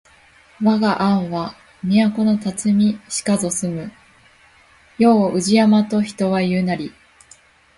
わが庵は都のたつみしかぞ住む世を宇治山と人は言ふなり